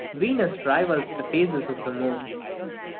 Venus rivals the phases of the moon.